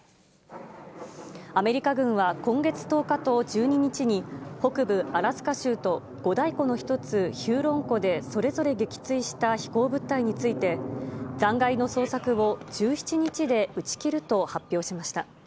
アメリカ軍は今月１０日と１２日に、北部アラスカ州と五大湖の１つ、ヒューロン湖でそれぞれ撃墜した飛行物体について、残骸の捜索を１７日で打ち切ると発表しました。